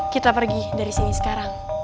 kita pergi dari sini sekarang